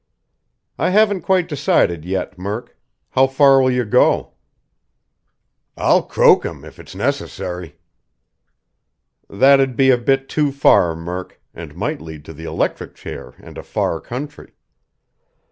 "I haven't quite decided yet, Murk. How far will you go?" "I'll croak him, if it's necessary!" "That'd be a bit too far, Murk, and might lead to the electric chair and a far country.